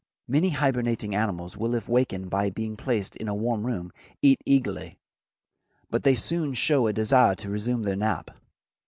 Many hibernating animals will if wakened by being placed in a warm room, eat eagerly, but they soon show a desire to resume their nap.